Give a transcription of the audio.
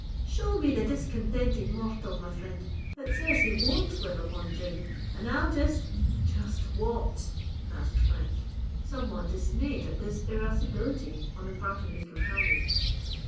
"Show me the discontended mortal, my frind, that says he won't live upon gin, and I'll jest——" "Just what?" asked Frank, somewhat dismayed at this irascibility on the part of his companion.